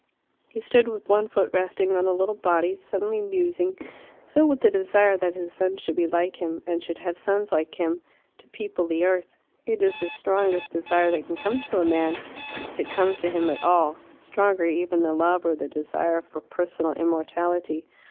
He stood with one foot resting on the little body, suddenly musing, filled with the desire that his son should be like him, and should have sons like him, to people the earth. It is the strongest desire that can come to a man if it comes to him at all stronger even than love or the desire for personal immortality.